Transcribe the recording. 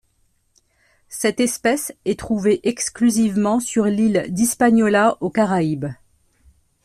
Cette espèce est trouvée exclusivement sur l'île d'Hispaniola aux caraïbes.